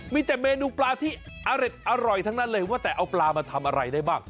มีแต่เมนูปลาที่อร่อยทั้งนั้นเลยว่าแต่เอาปลามาทำอะไรได้บ้าง